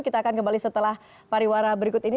kita akan kembali setelah pariwara berikut ini